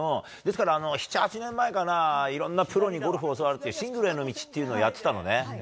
ですから、７８年前かないろんなプロに教わるシングルへの道っていうのをやってたのね。